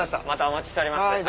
またお待ちしております。